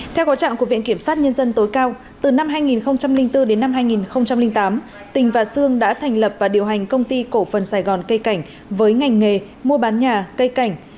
theo có trạng của viện kiểm sát nhân dân tối cao từ năm hai nghìn bốn đến năm hai nghìn tám tỉnh và xương đã thành lập và điều hành công ty cổ phần sài gòn cây cảnh với ngành nghề mua bán nhà cây cảnh